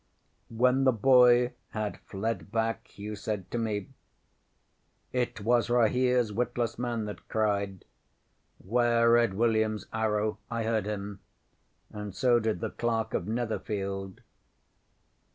ŌĆØ ŌĆśWhen the boy had fled back, Hugh said to me: ŌĆ£It was RahereŌĆÖs witless man that cried, ŌĆśŌĆÖWare Red WilliamŌĆÖs arrow! ŌĆÖ I heard him, and so did the Clerk of Netherfield.